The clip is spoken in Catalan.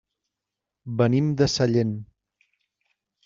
Venim de Sallent.